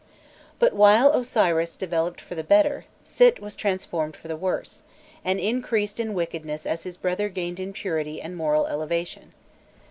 But while Osiris developed for the better, Sit was transformed for the worse, and increased in wickedness as his brother gained in purity and moral elevation.